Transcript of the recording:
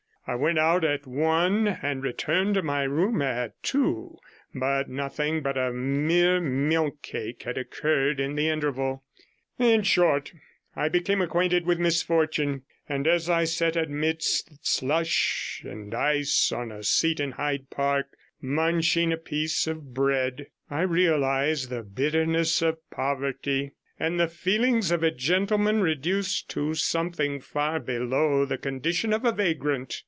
I went out at one and returned to my room at two, but nothing but a mere milk cake had occurred in the interval. In short, I became acquainted with misfortune; and as I sat amidst slush and ice on a seat in Hyde Park, munching a piece of bread, I realized the bitterness of poverty, and the feelings of a gentleman reduced to something far below the condition of a vagrant.